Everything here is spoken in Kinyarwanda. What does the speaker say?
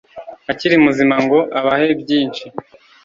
akiri muzima ngo abahe byinshi